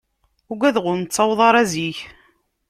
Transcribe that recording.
Ugadeɣ ur nettaweḍ ara zik.